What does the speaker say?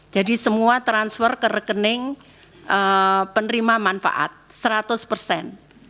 jadi semua transfer ke rekening penerima manfaat seratus persen